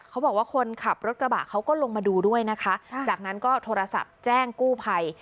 เขาบอกว่าคนขับรถกระบะเขาก็ลงมาดูด้วยนะคะจากนั้นก็โทรศัพท์แจ้งกู้ภัย